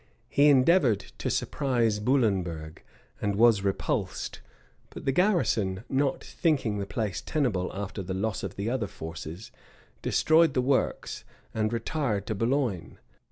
[*] He endeavored to surprise Boulenberg, and was repulsed; but the garrison, not thinking the place tenable after the loss of the other fortresses, destroyed the works, and retired to Boulogne.